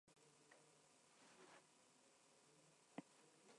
Durante el ataque su padre fue asesinado.